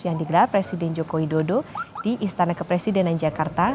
yang digelar presiden joko widodo di istana kepresidenan jakarta